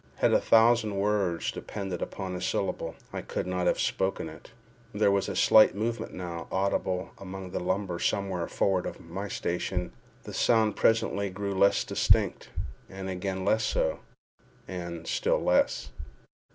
Had a thousand words depended upon a syllable, I could not have spoken it. There was a slight movement now audible among the lumber somewhere forward of my station. The sound presently grew less distinct, then again less so, and still less.